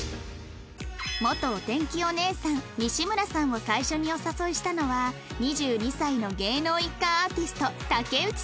元お天気お姉さん西村さんを最初にお誘いしたのは２２歳の芸能一家アーティスト竹内さん